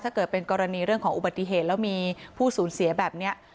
เกิดเป็นกรณีเรื่องของอุบัติเหตุแล้วมีผู้สูญเสียแบบนี้